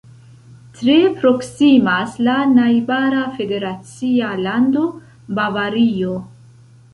Tre proksimas la najbara federacia lando Bavario.